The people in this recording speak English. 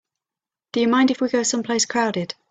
Do you mind if we go someplace crowded?